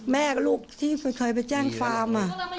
แม่ก็ลูกที่เคยไปแจ้งฟาร์ม